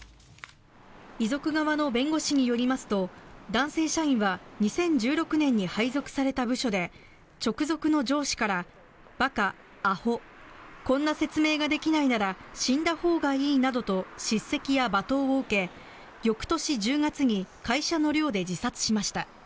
遺族側の弁護士によりますと男性社員は２０１６年に配属された部署で直属の上司から馬鹿、あほこんな説明ができないなら死んだほうがいいなどと叱責や罵倒を受け翌年１０月に会社の寮で自殺しました。